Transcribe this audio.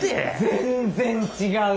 全然違う！